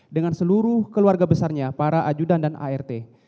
dengan seluruh keluarga besarnya para ajudan dan art